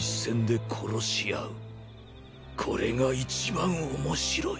これが一番面白い。